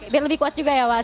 biar lebih kuat juga ya mas